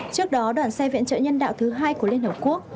trước đó đoàn xe viện trợ nhân đạo thứ hai của liên hợp quốc